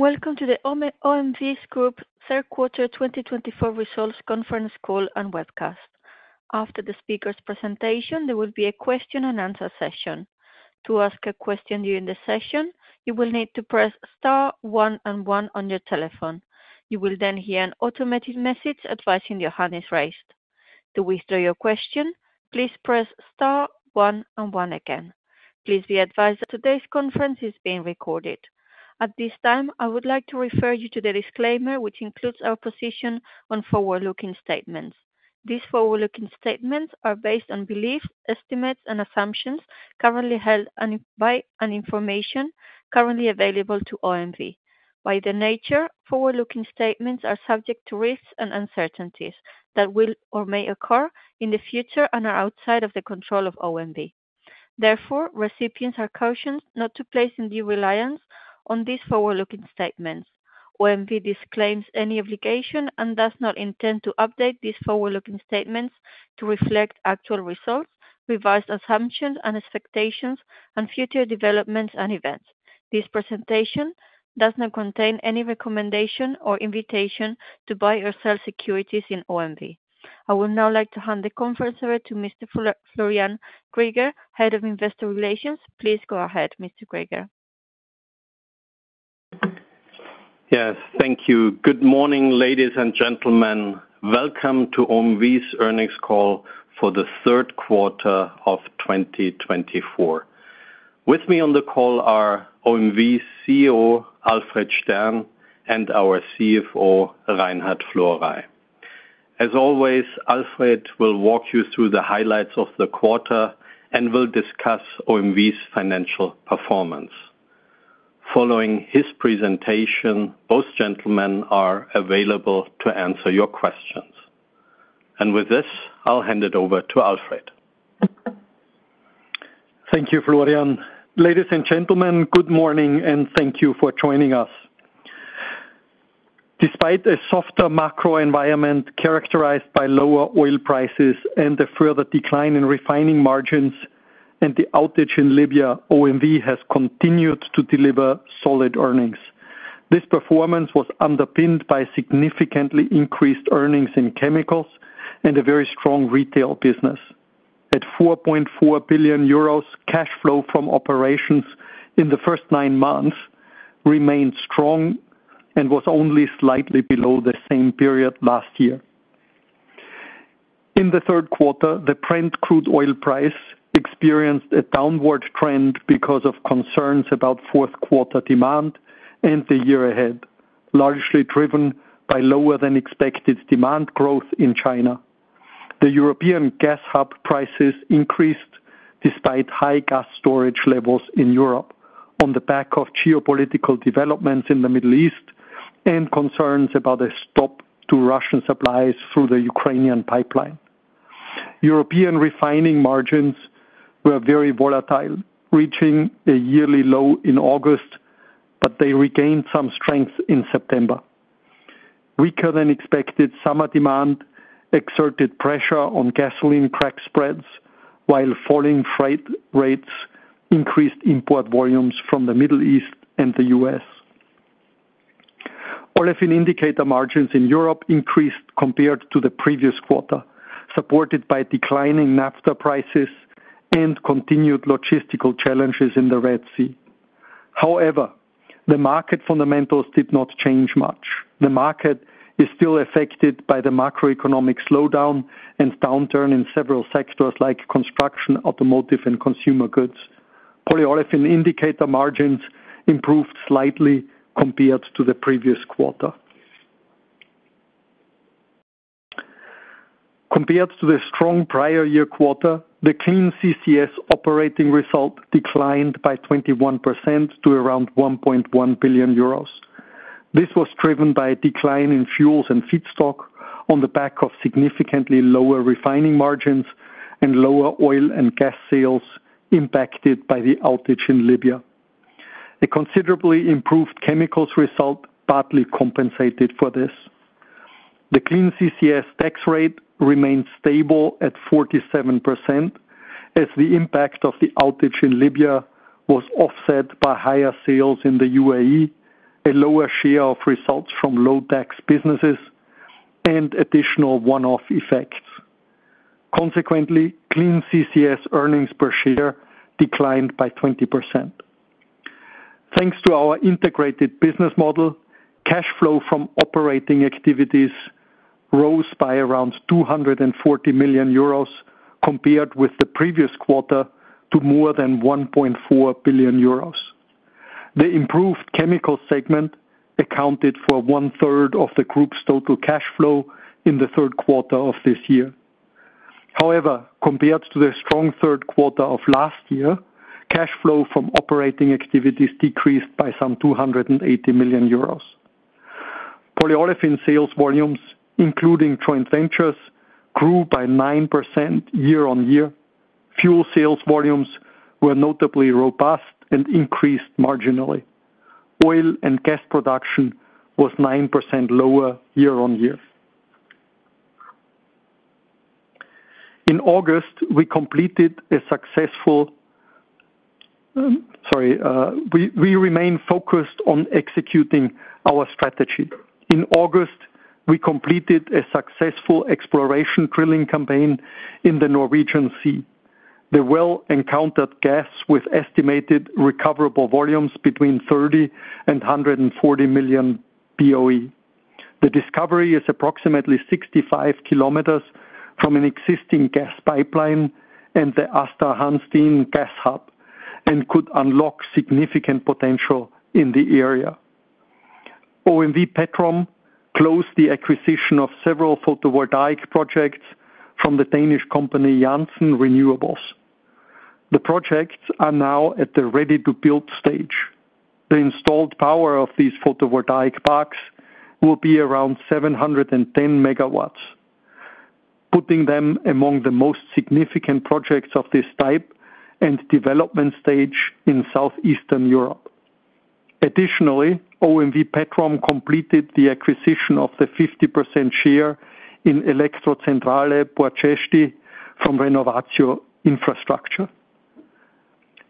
Welcome to the OMV Group Third Quarter 2024 Results Conference Call and Webcast. After the speaker's presentation, there will be a question-and-answer session. To ask a question during the session, you will need to press star one and one on your telephone. You will then hear an automated message advising your hand is raised. To withdraw your question, please press star one and one again. Please be advised, today's conference is being recorded. At this time, I would like to refer you to the disclaimer, which includes our position on forward-looking statements. These forward-looking statements are based on beliefs, estimates, and assumptions currently held by and information currently available to OMV. By their nature, forward-looking statements are subject to risks and uncertainties that will or may occur in the future and are outside of the control of OMV. Therefore, recipients are cautioned not to place undue reliance on these forward-looking statements. OMV disclaims any obligation and does not intend to update these forward-looking statements to reflect actual results, revised assumptions and expectations, and future developments and events. This presentation does not contain any recommendation or invitation to buy or sell securities in OMV. I would now like to hand the conference over to Mr. Florian Greger, Head of Investor Relations. Please go ahead, Mr. Greger. Yes, thank you. Good morning, ladies and gentlemen. Welcome to OMV's earnings call for the third quarter of twenty twenty-four. With me on the call are OMV's CEO, Alfred Stern, and our CFO, Reinhard Florey. As always, Alfred will walk you through the highlights of the quarter and will discuss OMV's financial performance. Following his presentation, both gentlemen are available to answer your questions. And with this, I'll hand it over to Alfred. Thank you, Florian. Ladies and gentlemen, good morning, and thank you for joining us. Despite a softer macro environment characterized by lower oil prices and a further decline in refining margins and the outage in Libya, OMV has continued to deliver solid earnings. This performance was underpinned by significantly increased earnings in chemicals and a very strong retail business. At 4.4 billion euros, cash flow from operations in the first nine months remained strong and was only slightly below the same period last year. In the third quarter, the Brent crude oil price experienced a downward trend because of concerns about fourth quarter demand and the year ahead, largely driven by lower than expected demand growth in China. The European gas hub prices increased despite high gas storage levels in Europe on the back of geopolitical developments in the Middle East and concerns about a stop to Russian supplies through the Ukrainian pipeline. European refining margins were very volatile, reaching a yearly low in August, but they regained some strength in September. Weaker-than-expected summer demand exerted pressure on gasoline crack spreads, while falling freight rates increased import volumes from the Middle East and the U.S. Olefin indicator margins in Europe increased compared to the previous quarter, supported by declining naphtha prices and continued logistical challenges in the Red Sea. However, the market fundamentals did not change much. The market is still affected by the macroeconomic slowdown and downturn in several sectors like construction, automotive, and consumer goods. Polyolefin indicator margins improved slightly compared to the previous quarter. Compared to the strong prior year quarter, the Clean CCS Operating Result declined by 21% to around 1.1 billion euros. This was driven by a decline in Fuels & Feedstock on the back of significantly lower refining margins and lower oil and gas sales impacted by the outage in Libya. A considerably improved chemicals result partly compensated for this. The Clean CCS Tax Rate remained stable at 47%, as the impact of the outage in Libya was offset by higher sales in the UAE, a lower share of results from low tax businesses, and additional one-off effects. Consequently, Clean CCS earnings per share declined by 20%. Thanks to our integrated business model, cash flow from operating activities rose by around 240 million euros compared with the previous quarter to more than 1.4 billion euros. The improved chemical segment accounted for one-third of the group's total cash flow in the third quarter of this year. However, compared to the strong third quarter of last year, cash flow from operating activities decreased by some 280 million euros. Polyolefin sales volumes, including joint ventures, grew by 9% year on year. Fuel sales volumes were notably robust and increased marginally. Oil and gas production was 9% lower year on year. We remain focused on executing our strategy. In August, we completed a successful exploration drilling campaign in the Norwegian Sea. The well-encountered gas with estimated recoverable volumes between BOE 30 and BOE 140 million. The discovery is approximately 65 km from an existing gas pipeline and the Aasta Hansteen gas hub, and could unlock significant potential in the area. OMV Petrom closed the acquisition of several photovoltaic projects from the Danish company, Jantzen Renewables. The projects are now at the ready-to-build stage. The installed power of these photovoltaic parks will be around 710 MW, putting them among the most significant projects of this type and development stage in Southeastern Europe. Additionally, OMV Petrom completed the acquisition of the 50% share in Electrocentrale Borzești from Renovatio Infrastructure.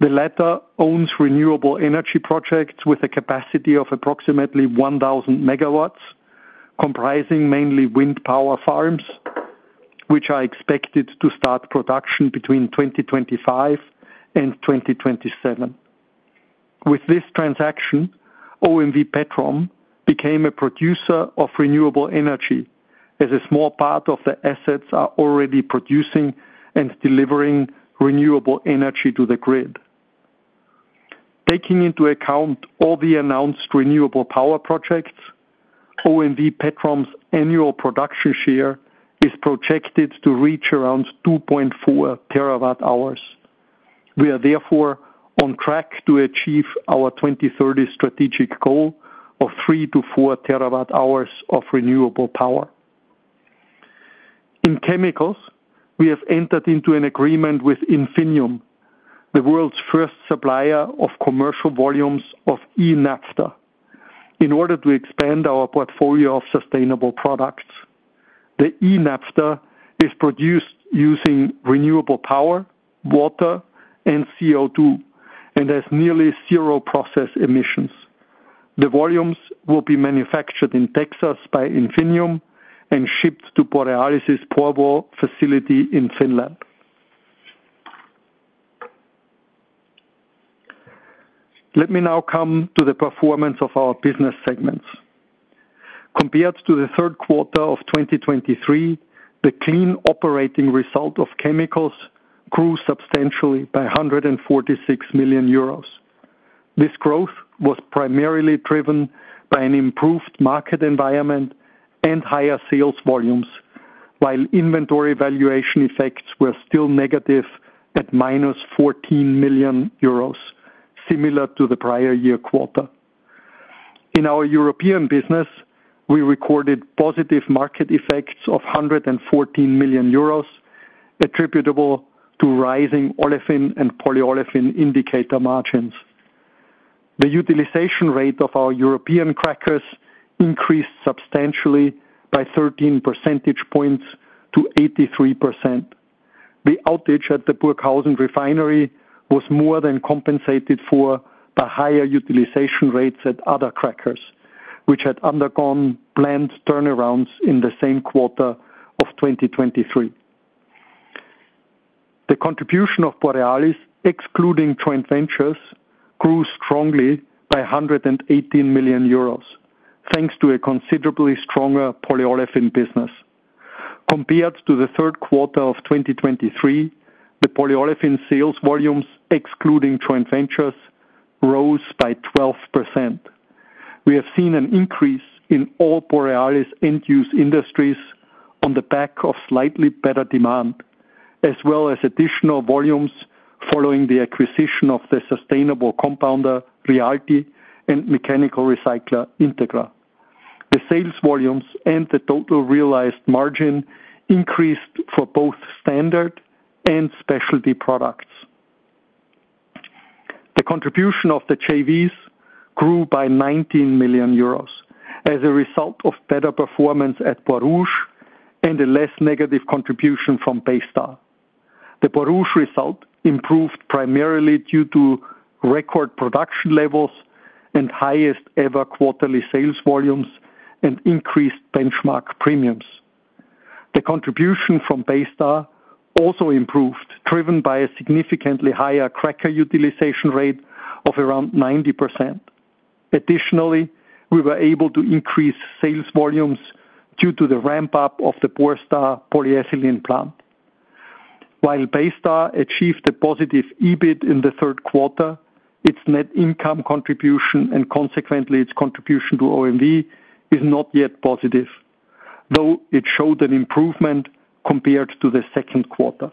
The latter owns renewable energy projects with a capacity of approximately 1000 megawatts, comprising mainly wind power farms, which are expected to start production between 2025 and 2027. With this transaction, OMV Petrom became a producer of renewable energy, as a small part of the assets are already producing and delivering renewable energy to the grid. Taking into account all the announced renewable power projects, OMV Petrom's annual production share is projected to reach around 2.4 TWh. We are therefore on track to achieve our 2030 strategic goal of 3-4 TWh of renewable power. In chemicals, we have entered into an agreement with Infinium, the world's first supplier of commercial volumes of e-naphtha, in order to expand our portfolio of sustainable products. The e-naphtha is produced using renewable power, water, and CO2, and has nearly zero process emissions. The volumes will be manufactured in Texas by Infinium and shipped to Borealis' Porvoo facility in Finland. Let me now come to the performance of our business segments. Compared to the third quarter of 2023, the Clean Operating Result of chemicals grew substantially by 146 million euros. This growth was primarily driven by an improved market environment and higher sales volumes, while inventory valuation effects were still negative at -14 million euros, similar to the prior year quarter. In our European business, we recorded positive market effects of 114 million euros, attributable to rising olefin and polyolefin indicator margins. The utilization rate of our European crackers increased substantially by 13 percentage points to 83%. The outage at the Burghausen refinery was more than compensated for by higher utilization rates at other crackers, which had undergone planned turnarounds in the same quarter of 2023. The contribution of Borealis, excluding joint ventures, grew strongly by 118 million euros, thanks to a considerably stronger polyolefin business. Compared to the third quarter of 2023, the polyolefin sales volumes, excluding joint ventures, rose by 12%. We have seen an increase in all Borealis end-use industries on the back of slightly better demand, as well as additional volumes following the acquisition of the sustainable compounder, Rialti, and mechanical recycler, Integra. The sales volumes and the total realized margin increased for both standard and specialty products. The contribution of the JVs grew by 19 million euros as a result of better performance at Borouge and a less negative contribution from Baystar. The Borouge result improved primarily due to record production levels and highest-ever quarterly sales volumes, and increased benchmark premiums. The contribution from Baystar also improved, driven by a significantly higher cracker utilization rate of around 90%. Additionally, we were able to increase sales volumes due to the ramp-up of the Borstar polyethylene plant. While Baystar achieved a positive EBIT in the third quarter, its net income contribution, and consequently its contribution to OMV, is not yet positive, though it showed an improvement compared to the second quarter.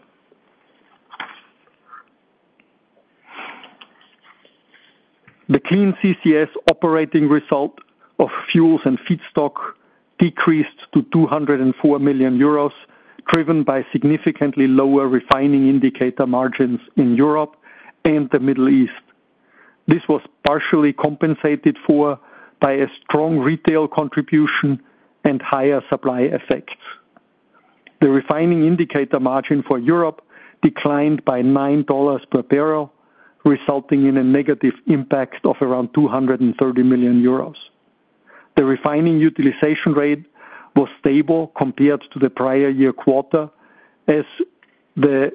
The Clean CCS Operating Result of Fuels & Feedstock decreased to 204 million euros, driven by significantly lower refining indicator margins in Europe and the Middle East. This was partially compensated for by a strong retail contribution and higher supply effects. The refining indicator margin for Europe declined by $9 per barrel, resulting in a negative impact of around 230 million euros. The refining utilization rate was stable compared to the prior year quarter, as the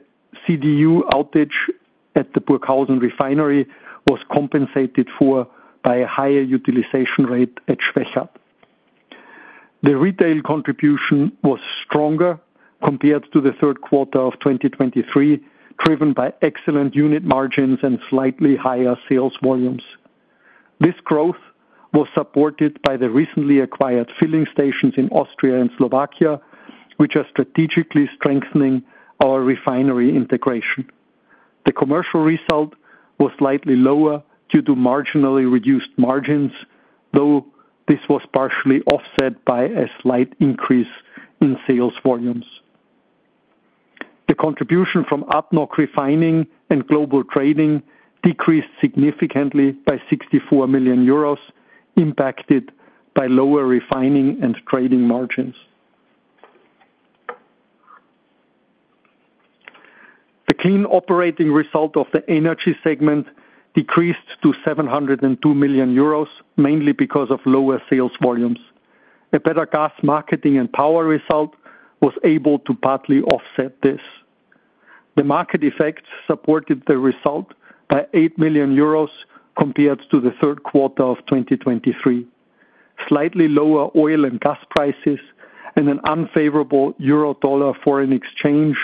CDU outage at the Burghausen Refinery was compensated for by a higher utilization rate at Schwechat. The retail contribution was stronger compared to the third quarter of twenty twenty-three, driven by excellent unit margins and slightly higher sales volumes. This growth was supported by the recently acquired filling stations in Austria and Slovakia, which are strategically strengthening our refinery integration. The commercial result was slightly lower due to marginally reduced margins, though this was partially offset by a slight increase in sales volumes. The contribution from refining and global trading decreased significantly by 64 million euros, impacted by lower refining and trading margins. The clean operating result of the energy segment decreased to 702 million euros, mainly because of lower sales volumes. A better gas marketing and power result was able to partly offset this. The market effects supported the result by 8 million euros compared to the third quarter of twenty twenty-three. Slightly lower oil and gas prices and an unfavorable euro dollar foreign exchange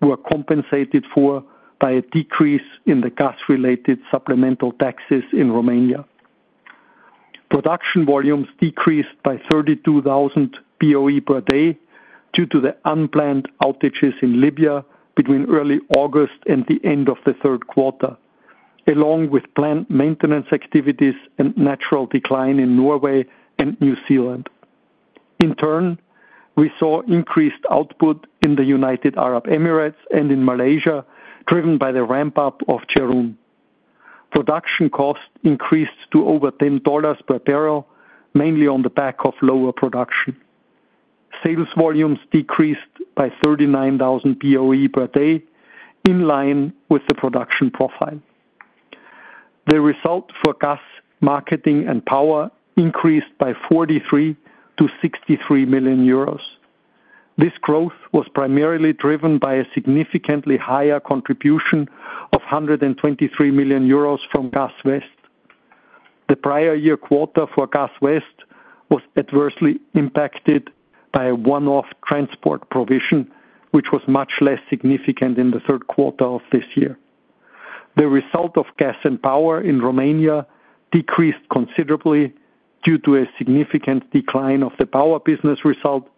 were compensated for by a decrease in the gas-related supplemental taxes in Romania. Production volumes decreased by BOE 32,000 per day due to the unplanned outages in Libya between early August and the end of the third quarter, along with planned maintenance activities and natural decline in Norway and New Zealand. In turn, we saw increased output in the United Arab Emirates and in Malaysia, driven by the ramp-up of Jerun. Production costs increased to over $10 per barrel, mainly on the back of lower production. Sales volumes decreased by BOE 39,000 per day, in line with the production profile. The result for The prior year quarter for Gas West was adversely impacted by a one-off transport provision, which was much less significant in the third quarter of this year. The result of gas and power in Romania decreased considerably due to a significant decline of the power business result,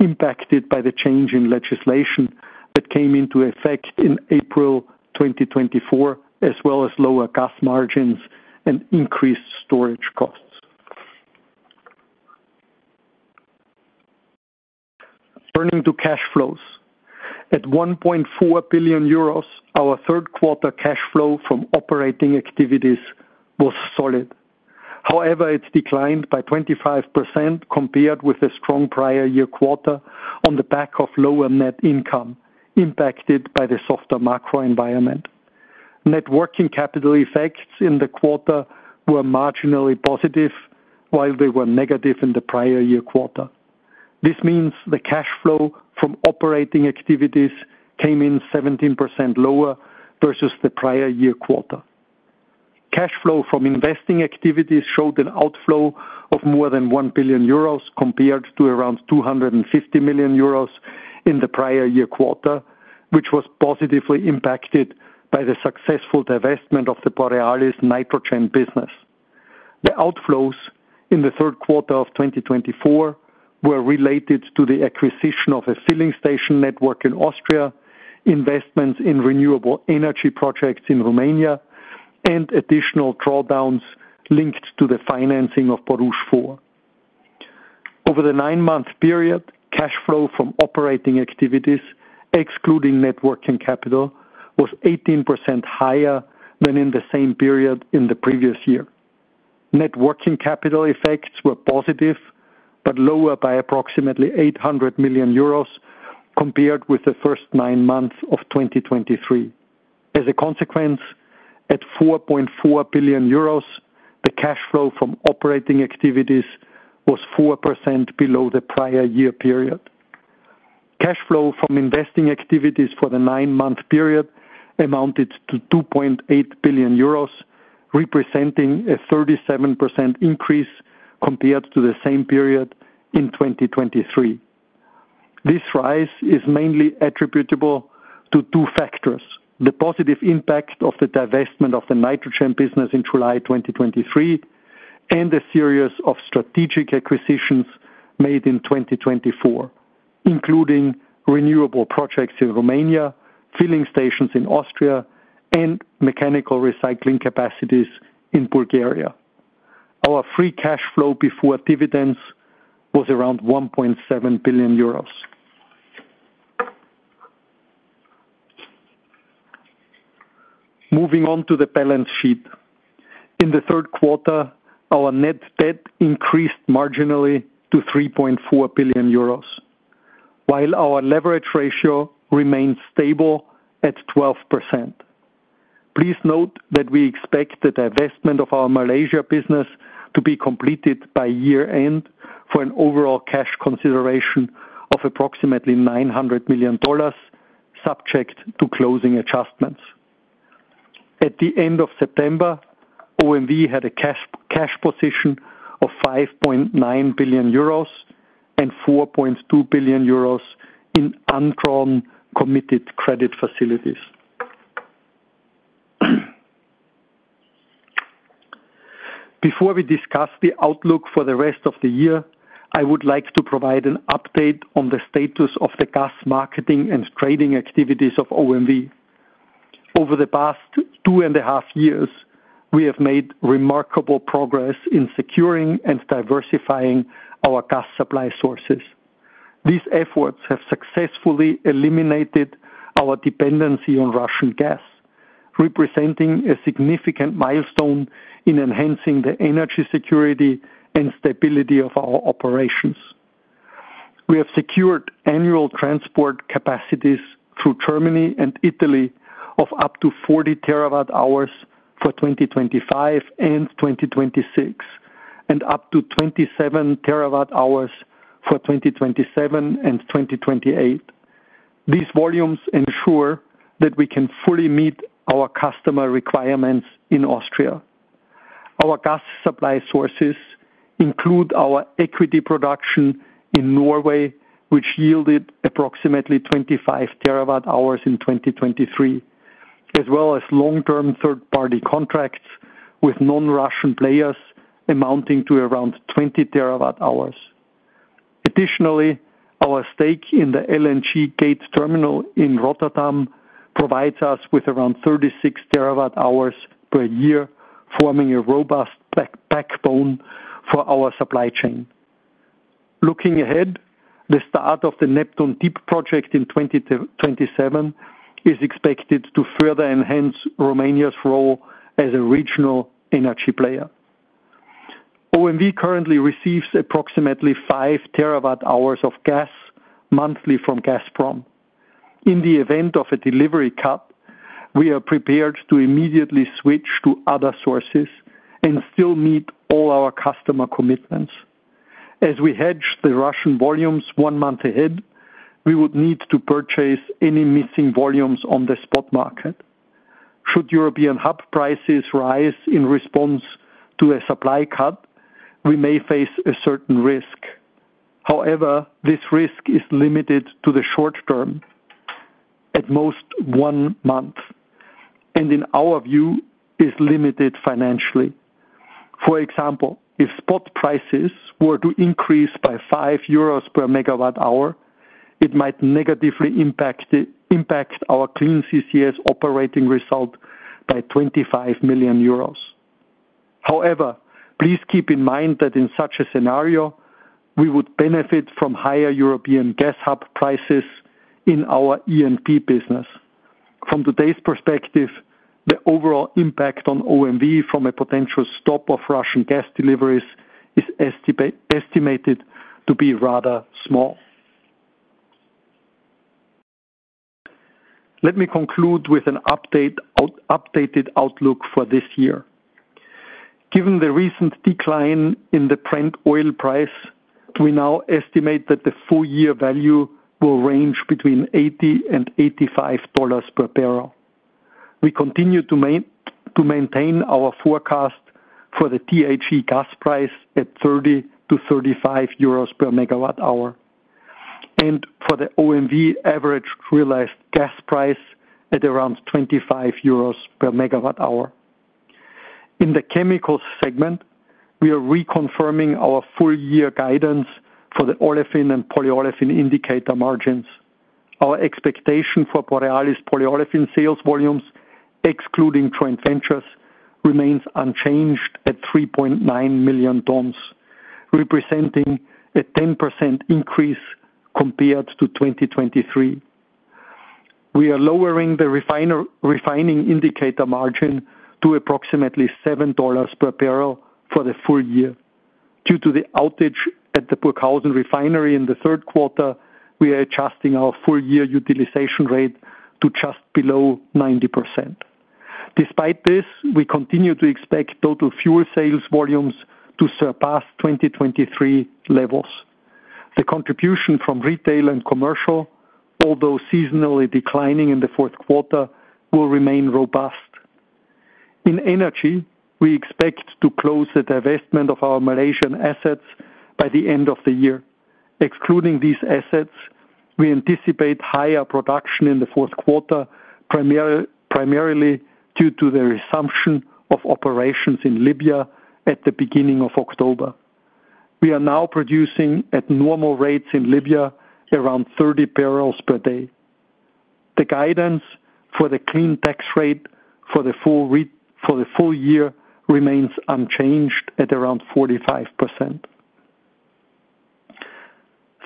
impacted by the change in legislation that came into effect in April 2024, as well as lower gas margins and increased storage costs. Turning to cash flows. At 1.4 billion euros, our third quarter cash flow from operating activities was solid. However, it's declined by 25% compared with the strong prior year quarter on the back of lower net income, impacted by the softer macro environment. Net working capital effects in the quarter were marginally positive, while they were negative in the prior year quarter. This means the cash flow from operating activities came in 17% lower versus the prior year quarter. Cash flow from investing activities showed an outflow of more than 1 billion euros compared to around 250 million euros in the prior year quarter, which was positively impacted by the successful divestment of the Borealis Nitrogen business. The outflows in the third quarter of 2024 were related to the acquisition of a filling station network in Austria, investments in renewable energy projects in Romania, and additional drawdowns linked to the financing of Borouge 4. Over the nine-month period, cash flow from operating activities, excluding net working capital, was 18% higher than in the same period in the previous year. Net working capital effects were positive, but lower by approximately 800 million euros compared with the first nine months of 2023. As a consequence, at 4.4 billion euros, the cash flow from operating activities was 4% below the prior year period. Cash flow from investing activities for the nine-month period amounted to 2.8 billion euros, representing a 37% increase compared to the same period in 2023. This rise is mainly attributable to two factors: the positive impact of the divestment of the nitrogen business in July 2023, and a series of strategic acquisitions made in 2024, including renewable projects in Romania, filling stations in Austria, and mechanical recycling capacities in Bulgaria. Our free cash flow before dividends was around EUR 1.7 billion. Moving on to the balance sheet. In the third quarter, our net debt increased marginally to 3.4 billion euros, while our leverage ratio remains stable at 12%. Please note that we expect the divestment of our Malaysia business to be completed by year-end, for an overall cash consideration of approximately $900 million, subject to closing adjustments. At the end of September, OMV had a cash position of 5.9 billion euros and 4.2 billion euros in undrawn committed credit facilities. Before we discuss the outlook for the rest of the year, I would like to provide an update on the status of the gas marketing and trading activities of OMV. Over the past two and a half years, we have made remarkable progress in securing and diversifying our gas supply sources. These efforts have successfully eliminated our dependency on Russian gas, representing a significant milestone in enhancing the energy security and stability of our operations. We have secured annual transport capacities through Germany and Italy of up to 40 TWh for 2025 and 2026, and up to 27 TWh for 2027 and 2028. These volumes ensure that we can fully meet our customer requirements in Austria. Our gas supply sources include our equity production in Norway, which yielded approximately 25 TWh in 2023, as well as long-term third-party contracts with non-Russian players amounting to around 20 TWh. Additionally, our stake in the LNG Gate Terminal in Rotterdam provides us with around 36 TWh per year, forming a robust backbone for our supply chain. Looking ahead, the start of the Neptun Deep Project in 2027 is expected to further enhance Romania's role as a regional energy player. OMV currently receives approximately 4 TWh of gas monthly from Gazprom. In the event of a delivery cut, we are prepared to immediately switch to other sources and still meet all our customer commitments. As we hedge the Russian volumes one month ahead, we would need to purchase any missing volumes on the spot market. Should European hub prices rise in response to a supply cut, we may face a certain risk. However, this risk is limited to the short term, at most one month, and in our view, is limited financially. For example, if spot prices were to increase by 5 euros per MWh, it might negatively impact our Clean CCS Operating Result by 25 million euros. However, please keep in mind that in such a scenario, we would benefit from higher European gas hub prices in our E&P business. From today's perspective, the overall impact on OMV from a potential stop of Russian gas deliveries is estimated to be rather small. Let me conclude with an updated outlook for this year. Given the recent decline in the Brent oil price, we now estimate that the full year value will range between $80 and $85 per barrel. We continue to maintain our forecast for the THE gas price at 30-35 euros per MWh, and for the OMV average realized gas price at around 25 euros per MWh. In the chemicals segment, we are reconfirming our full year guidance for the olefin and polyolefin indicator margins. Our expectation for Borealis polyolefin sales volumes, excluding joint ventures, remains unchanged at 3.9 million tons, representing a 10% increase compared to 2023. We are lowering the refining indicator margin to approximately $7 per barrel for the full year. Due to the outage at the Burghausen Refinery in the third quarter, we are adjusting our full year utilization rate to just below 90%. Despite this, we continue to expect total fuel sales volumes to surpass 2023 levels. The contribution from Retail & Commercial, although seasonally declining in the fourth quarter, will remain robust. In energy, we expect to close the divestment of our Malaysian assets by the end of the year. Excluding these assets, we anticipate higher production in the fourth quarter, primarily due to the resumption of operations in Libya at the beginning of October. We are now producing at normal rates in Libya, around 30 barrels per day. The guidance for the Clean Tax Rate for the full year remains unchanged at around 45%.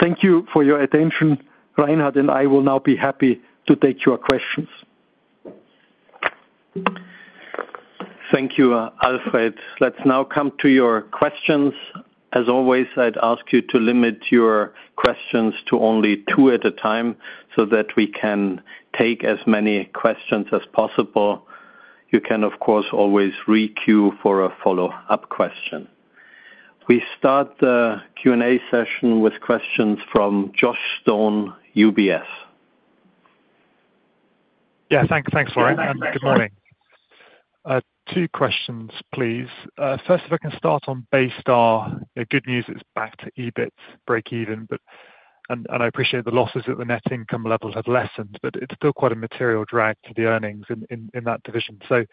Thank you for your attention. Reinhard and I will now be happy to take your questions. Thank you, Alfred. Let's now come to your questions. As always, I'd ask you to limit your questions to only two at a time, so that we can take as many questions as possible. You can, of course, always re-queue for a follow-up question. We start the Q&A session with questions from Josh Stone, UBS. Yeah, thanks. Thanks, Roy, and good morning. Two questions, please. First, if I can start on Baystar. The good news is back to EBIT breakeven, but and I appreciate the losses at the net income level have lessened, but it's still quite a material drag to the earnings in that division. So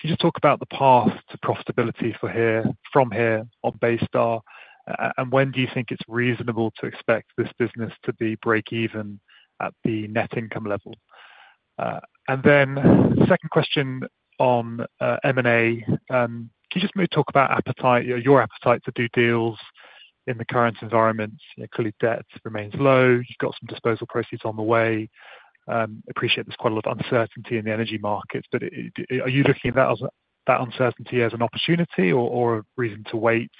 can you just talk about the path to profitability from here on Baystar? And when do you think it's reasonable to expect this business to be breakeven at the net income level? And then second question on M&A. Can you just maybe talk about your appetite to do deals in the current environment? Clearly, debt remains low. You've got some disposal proceeds on the way. Appreciate there's quite a lot of uncertainty in the energy markets, but are you looking at that uncertainty as an opportunity or a reason to wait?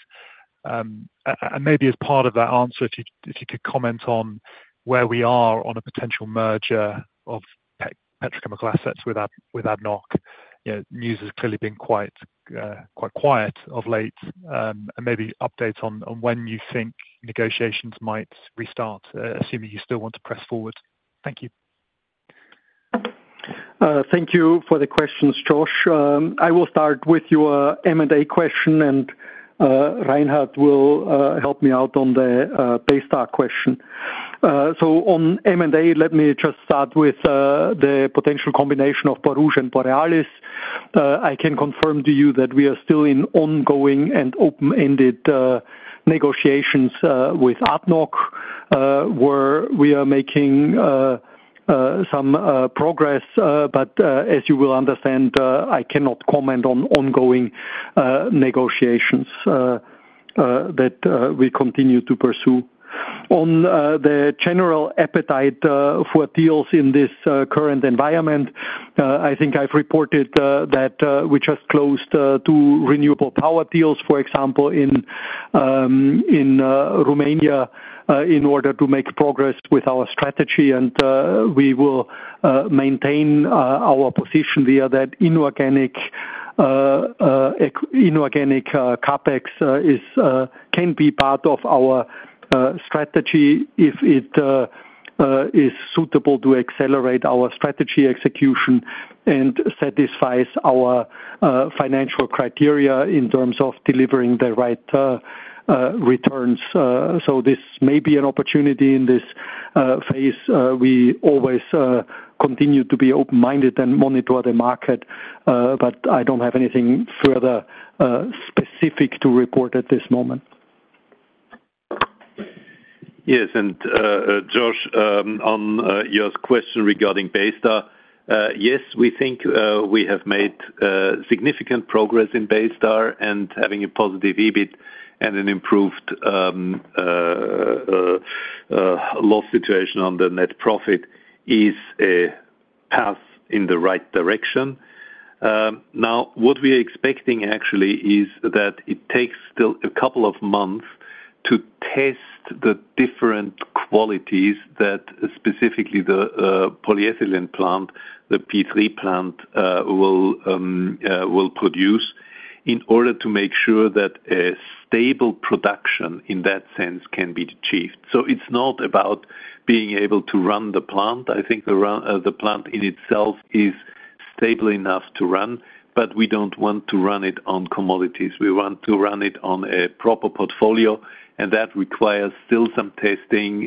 And maybe as part of that answer, if you could comment on where we are on a potential merger of petrochemical assets with ADNOC. You know, news has clearly been quite quiet of late. And maybe update on when you think negotiations might restart, assuming you still want to press forward. Thank you. Thank you for the questions, Josh. I will start with your M&A question, and Reinhard will help me out on the Baystar question, so on M&A, let me just start with the potential combination of Borouge and Borealis. I can confirm to you that we are still in ongoing and open-ended negotiations with ADNOC, where we are making some progress, but as you will understand, I cannot comment on ongoing negotiations that we continue to pursue. On the general appetite for deals in this current environment, I think I've reported that we just closed two renewable power deals, for example, in Romania, in order to make progress with our strategy, and we will maintain our position there, that inorganic CapEx can be part of our strategy if it is suitable to accelerate our strategy execution and satisfies our financial criteria in terms of delivering the right returns. So this may be an opportunity in this phase. We always continue to be open-minded and monitor the market, but I don't have anything further specific to report at this moment. Yes, and, Josh, on your question regarding Baystar, yes, we think we have made significant progress in Baystar, and having a positive EBIT and an improved loss situation on the net profit is a path in the right direction. Now, what we are expecting, actually, is that it takes still a couple of months to test the different qualities that specifically the polyethylene plant, the P3 plant, will produce, in order to make sure that a stable production in that sense can be achieved. So it's not about being able to run the plant. I think the run, the plant in itself is stable enough to run, but we don't want to run it on commodities. We want to run it on a proper portfolio, and that requires still some testing.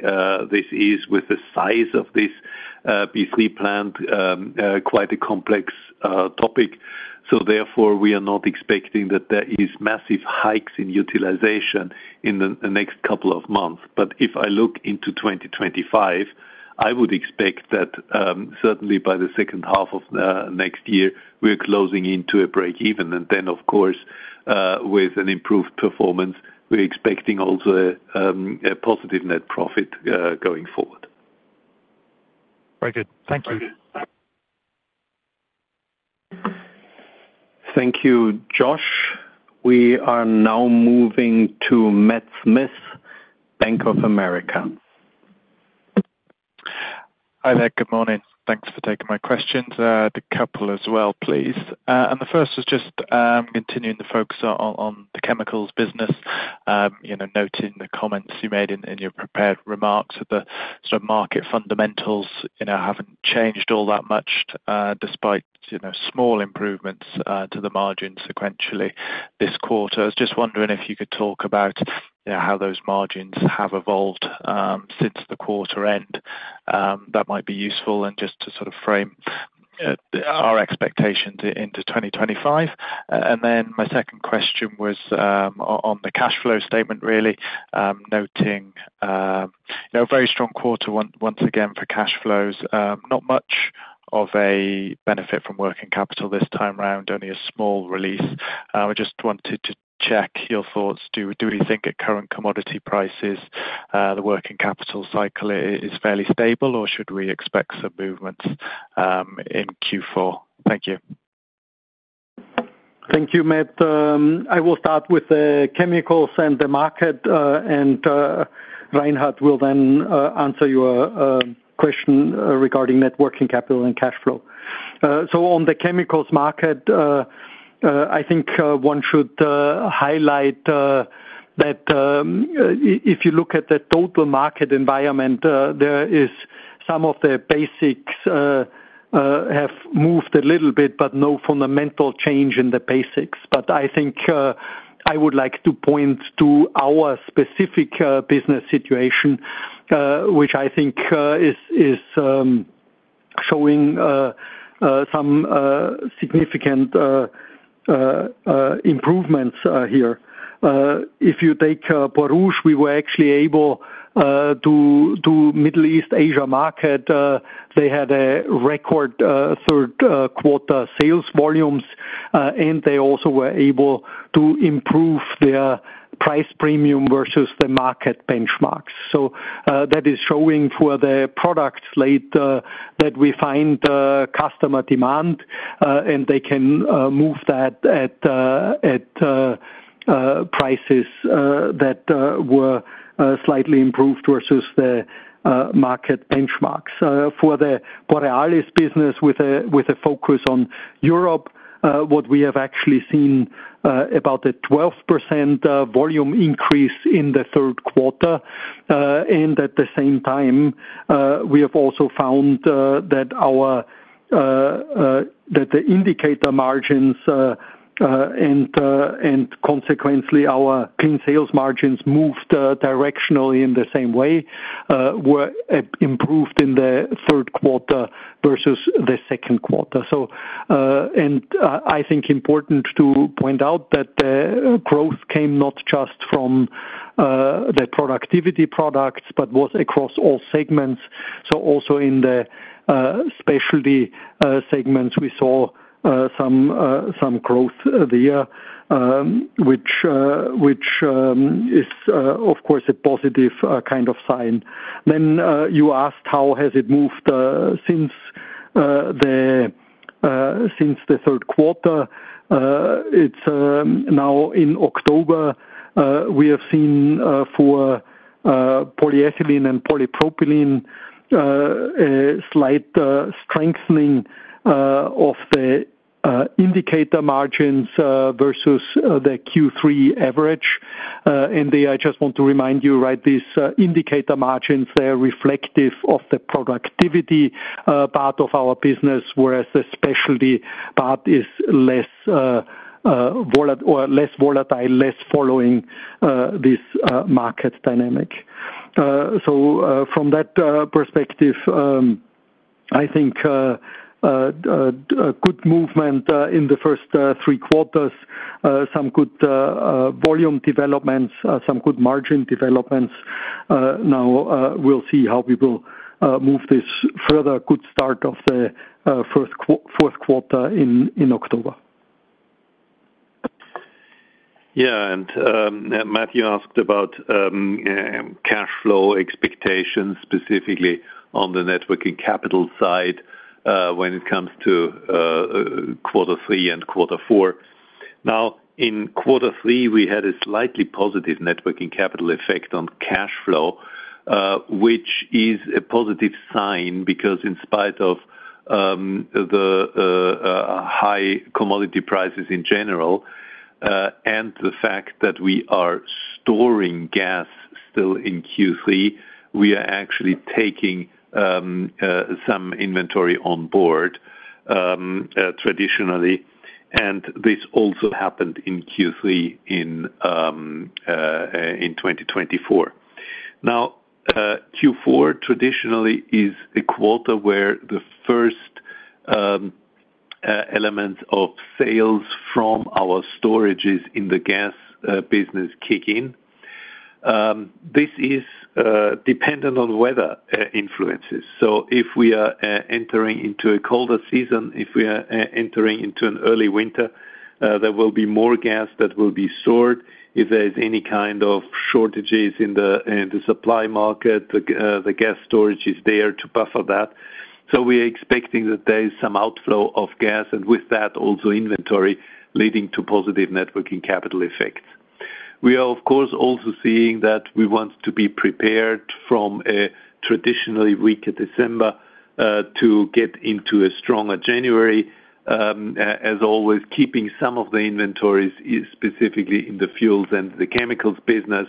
This is with the size of this P3 plant, quite a complex topic. So therefore, we are not expecting that there is massive hikes in utilization in the next couple of months. But if I look into 2025, I would expect that, certainly by the second half of next year, we're closing into a breakeven. And then, of course, with an improved performance, we're expecting also a positive net profit going forward. Very good. Thank you. Thank you, Josh. We are now moving to Matt Smith, Bank of America. Hi there. Good morning. Thanks for taking my questions. A couple as well, please. And the first is just continuing to focus on the chemicals business. You know, noting the comments you made in your prepared remarks that the sort of market fundamentals, you know, haven't changed all that much, despite, you know, small improvements to the margins sequentially this quarter. I was just wondering if you could talk about, you know, how those margins have evolved since the quarter end. That might be useful and just to sort of frame our expectations into 2025. And then my second question was on the cash flow statement, really, noting you know, a very strong quarter once again for cash flows, not much of a benefit from working capital this time around, only a small release. I just wanted to check your thoughts. Do we think at current commodity prices, the working capital cycle is fairly stable, or should we expect some movement, in Q4? Thank you. Thank you, Matt. I will start with the chemicals and the market, and Reinhard will then answer your question regarding net working capital and cash flow, so on the chemicals market, I think one should highlight that if you look at the total market environment, there is some of the basics have moved a little bit, but no fundamental change in the basics. But I think I would like to point to our specific business situation, which I think is showing some significant improvements here. If you take Borouge, we were actually able to Middle East Asia market, they had a record third quarter sales volumes. And they also were able to improve their price premium versus the market benchmarks. So, that is showing for the products lately that we find customer demand, and they can move that at prices that were slightly improved versus the market benchmarks. For the Borealis business with a focus on Europe, what we have actually seen about a 12% volume increase in the third quarter. And at the same time, we have also found that the indicator margins and consequently our clean sales margins moved directionally in the same way, were improved in the third quarter versus the second quarter. I think it is important to point out that growth came not just from the productivity products, but was across all segments. So also in the specialty segments, we saw some growth there, which is of course a positive kind of sign. Then you asked how has it moved since the third quarter? It's now in October, we have seen for polyethylene and polypropylene a slight strengthening of the indicator margins versus the Q3 average. And I just want to remind you, right, these indicator margins, they are reflective of the productivity part of our business, whereas the specialty part is less volatile, less following this market dynamic. From that perspective, I think a good movement in the first three quarters, some good volume developments, some good margin developments. Now, we'll see how we will move this further. Good start of the fourth quarter in October. Yeah, and Matthew asked about cash flow expectations, specifically on the net working capital side, when it comes to quarter three and quarter four. Now, in quarter three, we had a slightly positive net working capital effect on cash flow, which is a positive sign, because in spite of the high commodity prices in general, and the fact that we are storing gas still in Q3, we are actually taking some inventory on board traditionally, and this also happened in Q3 in 2024. Now, Q4 traditionally is a quarter where the first element of sales from our storages in the gas business kick in. This is dependent on weather influences. So if we are entering into a colder season, if we are entering into an early winter, there will be more gas that will be stored. If there is any kind of shortages in the supply market, the gas storage is there to buffer that. So we are expecting that there is some outflow of gas, and with that, also inventory leading to positive net working capital effects. We are, of course, also seeing that we want to be prepared from a traditionally weaker December to get into a stronger January, as always, keeping some of the inventories specifically in the fuels and the chemicals business.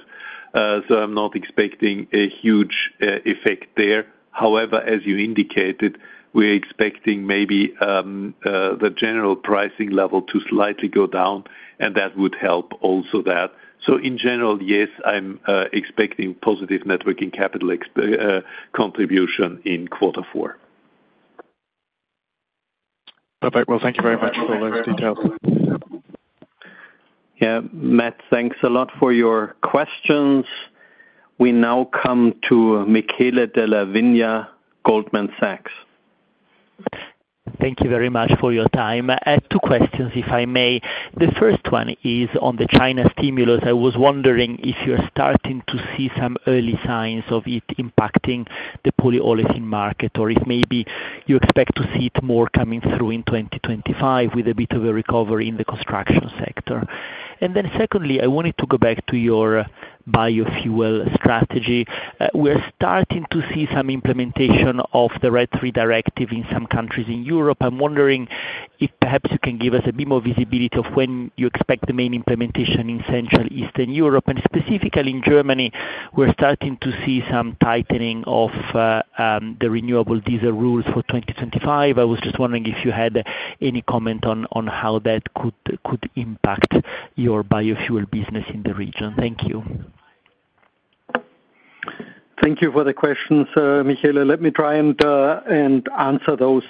So I'm not expecting a huge effect there. However, as you indicated, we're expecting maybe the general pricing level to slightly go down, and that would help also that. So in general, yes, I'm expecting positive net working capital contribution in quarter four. Perfect. Well, thank you very much for those details. Yeah, Matt, thanks a lot for your questions. We now come to Michele Della Vigna, Goldman Sachs. Thank you very much for your time. I have two questions, if I may. The first one is on the China stimulus. I was wondering if you're starting to see some early signs of it impacting the polyolefin market, or if maybe you expect to see it more coming through in 2025 with a bit of a recovery in the construction sector? And then secondly, I wanted to go back to your biofuel strategy. We're starting to see some implementation of the RED III Directive in some countries in Europe. I'm wondering if perhaps you can give us a bit more visibility of when you expect the main implementation in Central Eastern Europe, and specifically in Germany, we're starting to see some tightening of the renewable diesel rules for 2025. I was just wondering if you had any comment on how that could impact your biofuel business in the region. Thank you. Thank you for the questions, Michele. Let me try and answer those.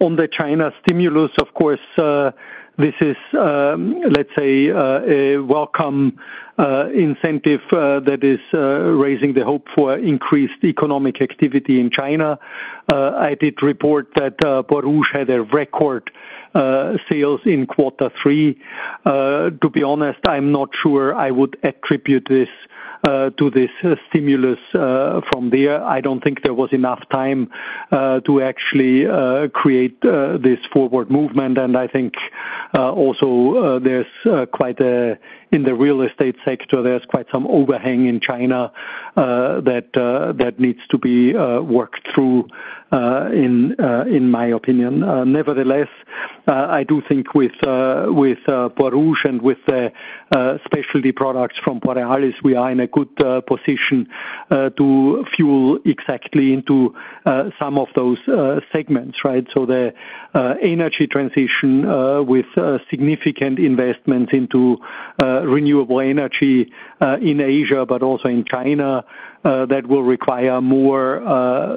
On the China stimulus, of course, this is, let's say, a welcome incentive that is raising the hope for increased economic activity in China. I did report that Borouge had a record sales in quarter three. To be honest, I'm not sure I would attribute this to this stimulus from there. I don't think there was enough time to actually create this forward movement. And I think also, there's quite a, in the real estate sector, there's quite some overhang in China, that needs to be worked through, in my opinion. Nevertheless, I do think with Borouge and with the specialty products from Borealis, we are in a good position to fuel exactly into some of those segments, right? The energy transition with significant investment into renewable energy in Asia, but also in China, that will require more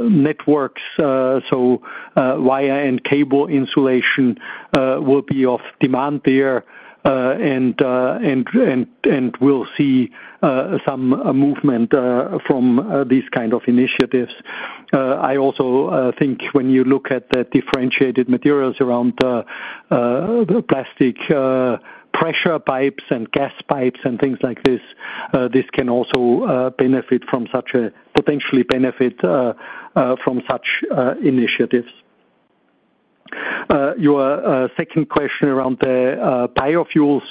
networks. Wire and cable insulation will be of demand there, and we'll see some movement from these kind of initiatives. I also think when you look at the differentiated materials around the plastic pressure pipes and gas pipes and things like this, this can also potentially benefit from such initiatives. Your second question around the biofuels.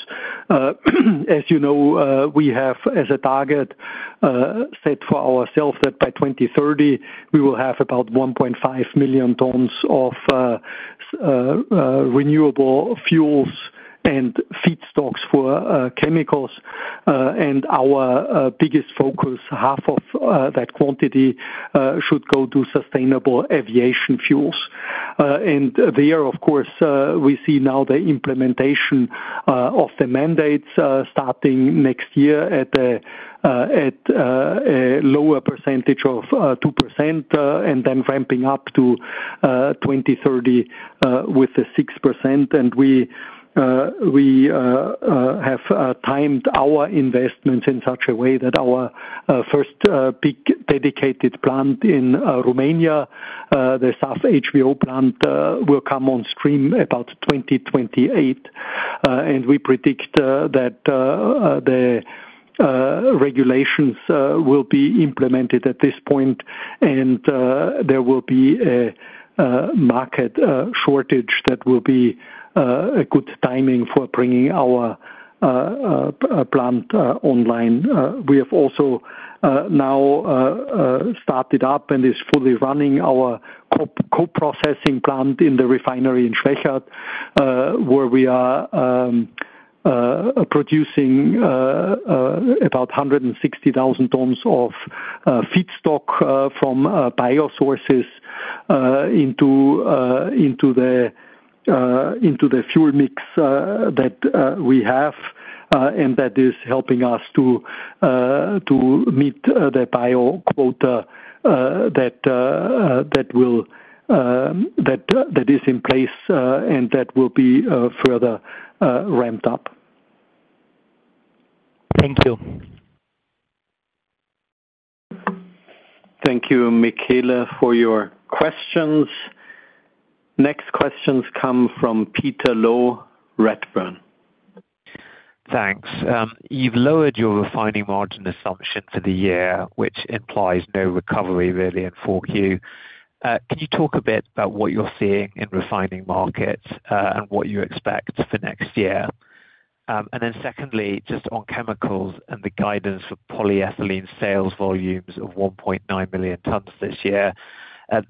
As you know, we have as a target set for ourselves, that by 2030, we will have about 1.5 million tons of renewable fuels and feedstocks for chemicals. And our biggest focus, half of that quantity, should go to sustainable aviation fuels. And there, of course, we see now the implementation of the mandates starting next year at a lower percentage of 2%, and then ramping up to 2030 with the 6%. We have timed our investments in such a way that our first big dedicated plant in Romania, the SAF HVO plant, will come on stream about 2028. And we predict that the regulations will be implemented at this point, and there will be a market shortage that will be a good timing for bringing our plant online. We have also now started up and is fully running our co-processing plant in the refinery in Schwechat, where we are producing about 160,000 tons of feedstock from bio sources into the fuel mix that we have, and that is helping us to meet the bio quota that is in place, and that will be further ramped up. Thank you. Thank you, Michele, for your questions. Next questions come from Peter Low, Redburn. Thanks. You've lowered your refining margin assumption for the year, which implies no recovery really in Q4. Can you talk a bit about what you're seeing in refining markets, and what you expect for next year? And then secondly, just on chemicals and the guidance for polyethylene sales volumes of 1.9 million tons this year,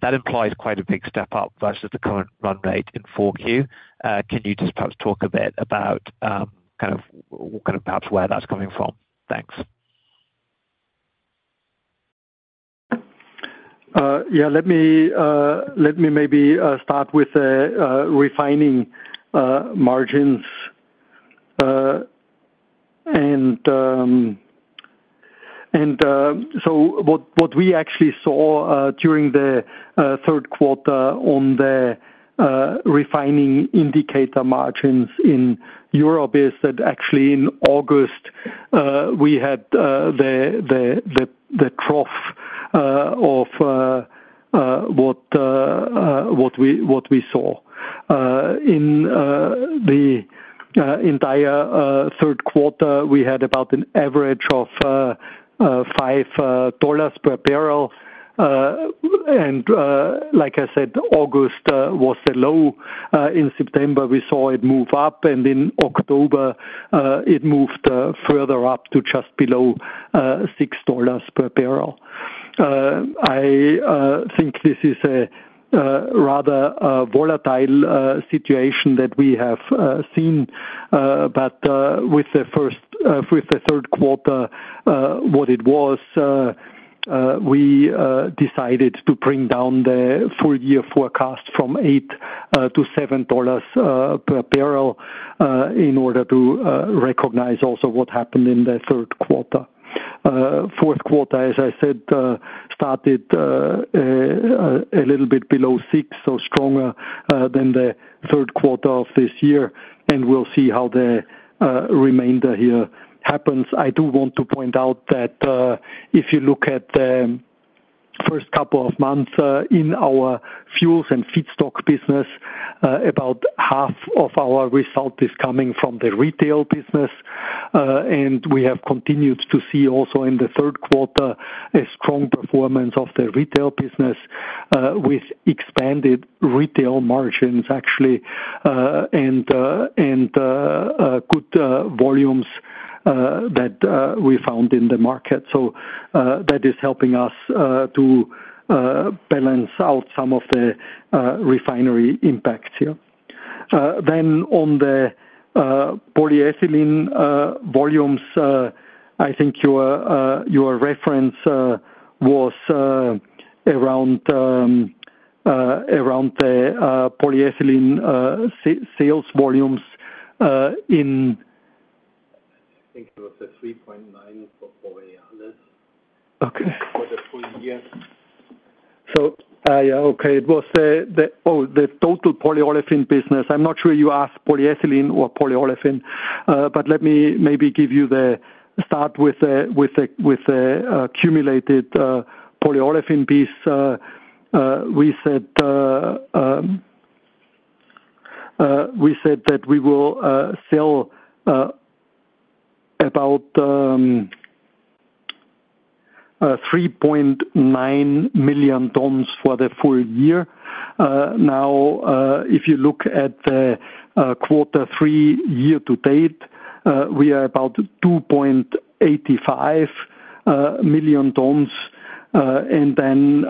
that implies quite a big step-up versus the current run rate in Q4. Can you just perhaps talk a bit about kind of perhaps where that's coming from? Thanks. Yeah, let me maybe start with the refining margins. And so what we actually saw during the third quarter on the refining indicator margins in Europe is that actually in August we had the trough of what we saw. In the entire third quarter, we had about an average of $5 per barrel. And like I said, August was the low. In September, we saw it move up, and in October it moved further up to just below $6 per barrel. I think this is a rather volatile situation that we have seen. But with the third quarter, what it was, we decided to bring down the full year forecast from $8-$7 per barrel in order to recognize also what happened in the third quarter. Fourth quarter, as I said, started a little bit below $6, so stronger than the third quarter of this year, and we'll see how the remainder here happens. I do want to point out that if you look at the first couple of months in our fuels and feedstock business, about half of our result is coming from the retail business. And we have continued to see also in the third quarter a strong performance of the retail business with expanded retail margins, actually, and good volumes that we found in the market. So that is helping us to balance out some of the refinery impacts here. Then on the polyethylene volumes, I think your reference was around the polyethylene sales volumes in- I think it was 3.9 for polyolefins. Okay. For the full year. So, yeah, okay. It was the, oh, the total polyolefin business. I'm not sure you asked polyethylene or polyolefin, but let me maybe give you the start with the accumulated polyolefin piece. We said that we will sell about 3.9 million tons for the full year. Now, if you look at the quarter three year to date, we are about 2.85 million tons, and then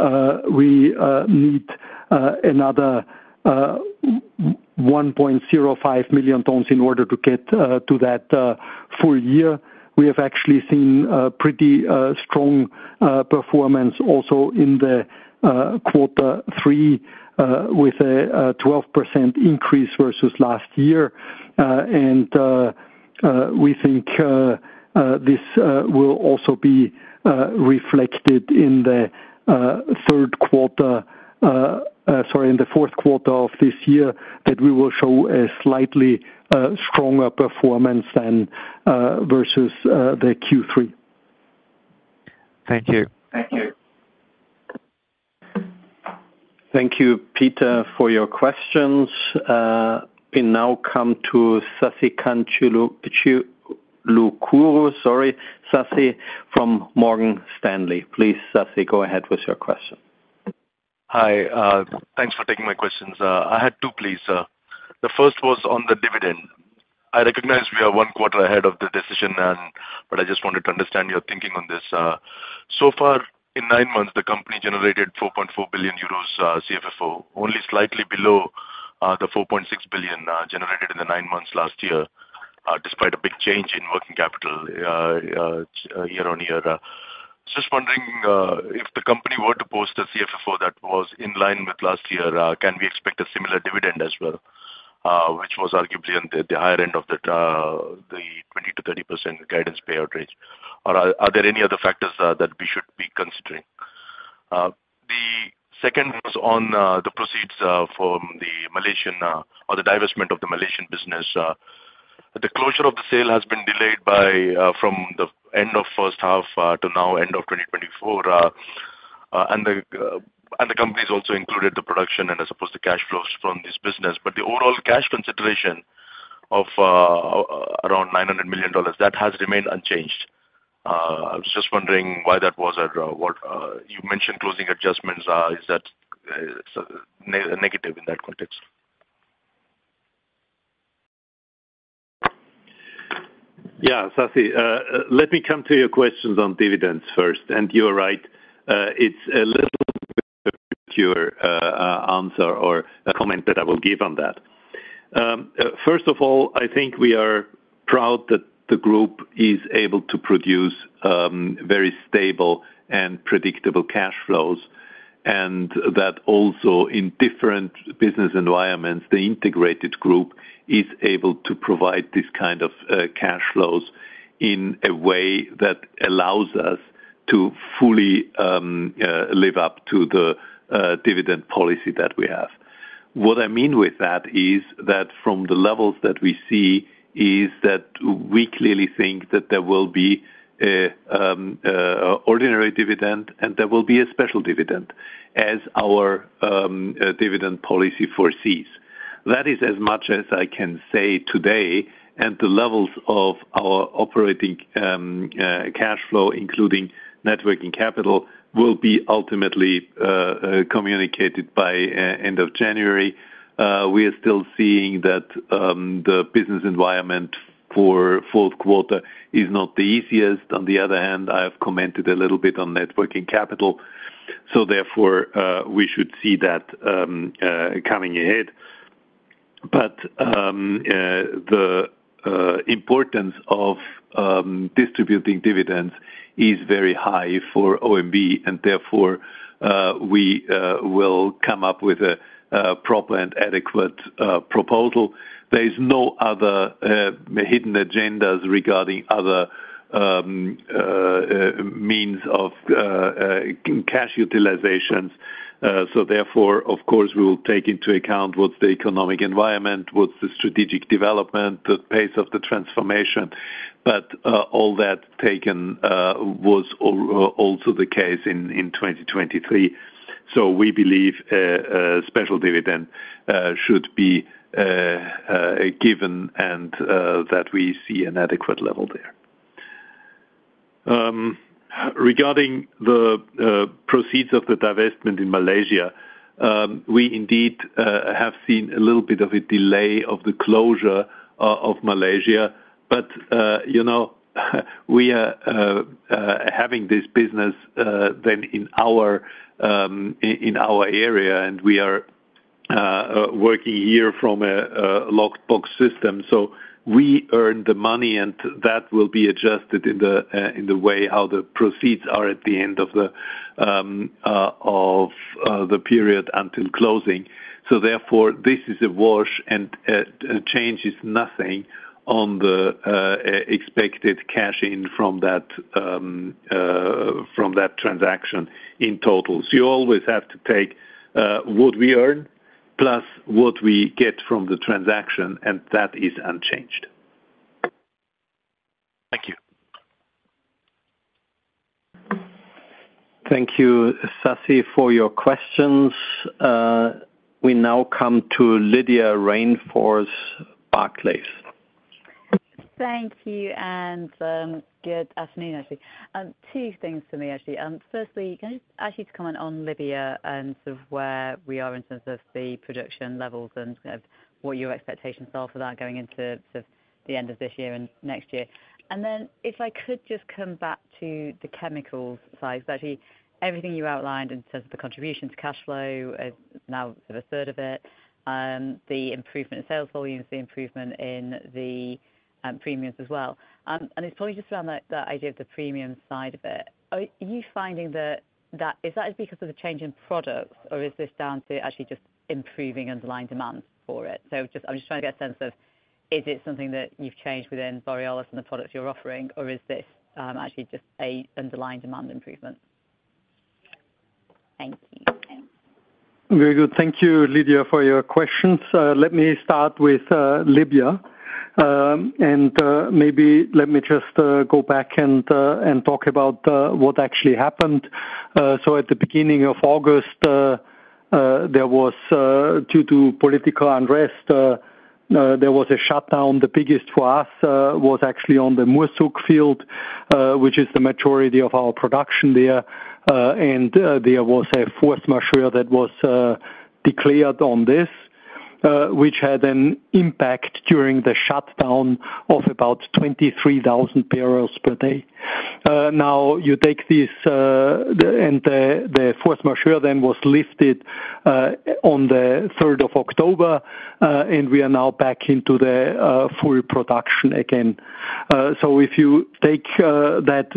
we need another 1.05 million tons in order to get to that full year. We have actually seen pretty strong performance also in the quarter three with a 12% increase versus last year. And we think this will also be reflected in the third quarter, sorry, in the fourth quarter of this year, that we will show a slightly stronger performance than versus the Q3. Thank you. Thank you. Thank you, Peter, for your questions. We now come to Sasikanth Chilukuru, sorry, Sasi from Morgan Stanley. Please, Sasi, go ahead with your question. Hi, thanks for taking my questions. I had two, please. The first was on the dividend. I recognize we are one quarter ahead of the decision, and, but I just wanted to understand your thinking on this. So far, in nine months, the company generated 4.4 billion euros CFFO, only slightly below the 4.6 billion generated in the nine months last year, despite a big change in working capital year on year. Just wondering, if the company were to post a CFFO that was in line with last year, can we expect a similar dividend as well, which was arguably on the higher end of the 20%-30% guidance payout range? Or are there any other factors that we should be considering? The second was on the proceeds from the Malaysian or the divestment of the Malaysian business. The closure of the sale has been delayed from the end of first half to now end of 2024. And the company's also included the production and I suppose the cash flows from this business. But the overall cash consideration of around $900 million, that has remained unchanged. I was just wondering why that was, or what. You mentioned closing adjustments. Is that negative in that context? Yeah, Sasi, let me come to your questions on dividends first, and you are right. It's a little your answer or a comment that I will give on that. First of all, I think we are proud that the group is able to produce very stable and predictable cash flows. And that also in different business environments, the integrated group is able to provide this kind of cash flows in a way that allows us to fully live up to the dividend policy that we have. What I mean with that is that from the levels that we see, is that we clearly think that there will be a ordinary dividend, and there will be a special dividend, as our dividend policy foresees. That is as much as I can say today, and the levels of our operating cash flow, including net working capital, will be ultimately communicated by end of January. We are still seeing that the business environment for fourth quarter is not the easiest. On the other hand, I have commented a little bit on net working capital, so therefore, we should see that coming ahead. But the importance of distributing dividends is very high for OMV, and therefore, we will come up with a proper and adequate proposal. There is no other hidden agendas regarding other means of cash utilizations. So therefore, of course, we will take into account what's the economic environment, what's the strategic development, the pace of the transformation. But all that taken was also the case in 2023. So we believe a special dividend should be a given, and that we see an adequate level there. Regarding the proceeds of the divestment in Malaysia, we indeed have seen a little bit of a delay of the closure of Malaysia, but you know, we are having this business then in our area, and we are working here from a locked box system. So we earn the money, and that will be adjusted in the way how the proceeds are at the end of the period until closing. So therefore, this is a wash, and it changes nothing on the expected cash in from that transaction in total. So you always have to take what we earn, plus what we get from the transaction, and that is unchanged. Thank you. Thank you, Sasi, for your questions. We now come to Lydia Rainforth, Barclays. Thank you, and, good afternoon, actually. Two things for me, actually. Firstly, can I, actually, comment on Libya and sort of where we are in terms of the production levels and kind of what your expectations are for that going into sort of the end of this year and next year? And then if I could just come back to the chemicals side, 'cause actually, everything you outlined in terms of the contribution to cash flow is now sort of a third of it, the improvement in sales volumes, the improvement in the, premiums as well. And it's probably just around that idea of the premium side of it. Are you finding that? Is that because of the change in products, or is this down to actually just improving underlying demand for it? So I'm just trying to get a sense of, is it something that you've changed within Borealis and the products you're offering, or is this actually just a underlying demand improvement? Thank you. Very good. Thank you, Lydia, for your questions. Let me start with Libya. And maybe let me just go back and talk about what actually happened. So at the beginning of August, there was, due to political unrest, a shutdown. The biggest for us was actually on the Murzuq field, which is the majority of our production there. And there was a force majeure that was declared on this, which had an impact during the shutdown of about 23,000 barrels per day. Now, you take this, and the force majeure then was lifted on the third of October, and we are now back into the full production again. So if you take that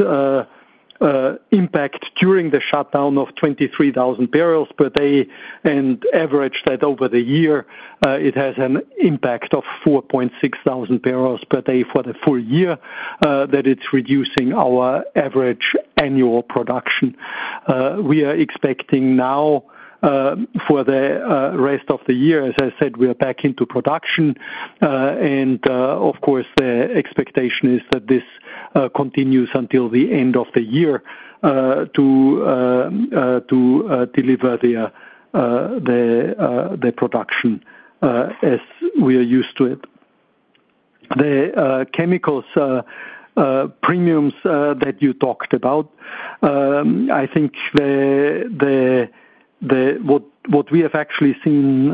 impact during the shutdown of 23,000 barrels per day and average that over the year, it has an impact of 4.6 thousand barrels per day for the full year that it's reducing our average annual production. We are expecting now for the rest of the year, as I said, we are back into production. Of course, the expectation is that this continues until the end of the year to deliver the production as we are used to it. The chemicals premiums that you talked about, I think what we have actually seen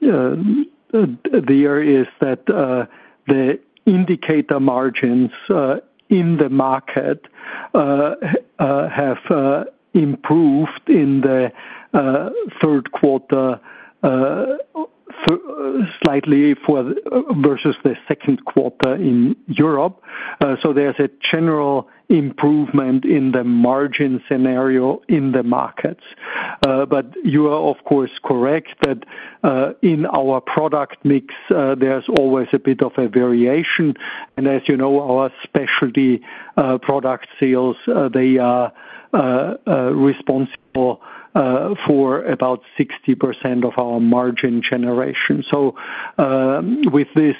there is that the indicator margins in the market have improved in the third quarter slightly versus the second quarter in Europe, so there's a general improvement in the margin scenario in the markets. But you are of course correct, that, in our product mix, there's always a bit of a variation, and as you know, our specialty product sales, they are responsible for about 60% of our margin generation. So, with this,